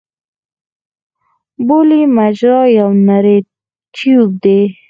بولي مجرا یو نری ټیوب دی.